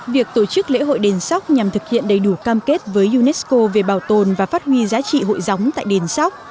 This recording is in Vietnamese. việc tổ chức lễ hội đền sóc nhằm thực hiện đầy đủ cam kết với unesco về bảo tồn và phát huy giá trị hội gióng tại đền sóc